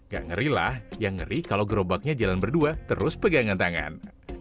gak ngeri lah yang ngeri kalau gerobaknya jalan berdua terus pegangan tangan